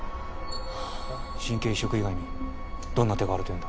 神経移植以外にどんな手があるというんだ？